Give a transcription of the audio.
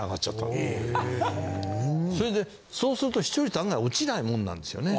それでそうすると視聴率案外落ちないもんなんですよね。